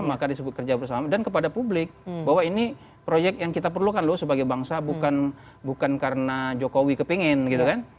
maka disebut kerja bersama dan kepada publik bahwa ini proyek yang kita perlukan loh sebagai bangsa bukan karena jokowi kepingin gitu kan